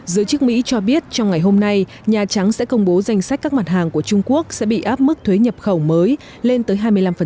giới chức mỹ cho biết trong ngày hôm nay nhà trắng sẽ công bố danh sách các mặt hàng của trung quốc sẽ bị áp mức thuế nhập khẩu mới lên tới hai mươi năm